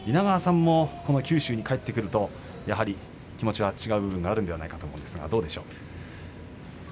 この九州に帰ってくると気持ちは違う部分があるんじゃないかと思いますがどうでしょう。